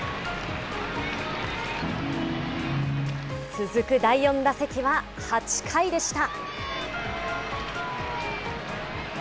続く第４打席は８回でした。